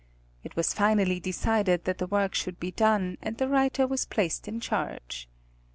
It was finally decided that the work should be done, and the writer was placed in charge.